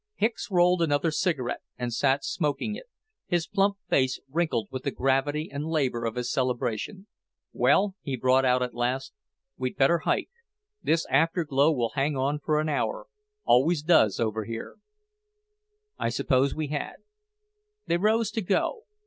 Hicks rolled another cigarette and sat smoking it, his plump face wrinkled with the gravity and labour of his cerebration. "Well," he brought out at last, "we'd better hike. This afterglow will hang on for an hour, always does, over here." "I suppose we had." They rose to go.